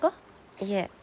いえ。